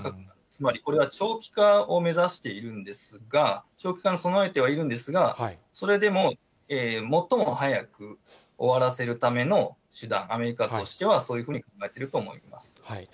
つまりこれは長期化を目指しているんですが、長期化に備えてはいるんですが、それでも最も早く終わらせるための手段、アメリカとしてはそういうふうに考えていると思います。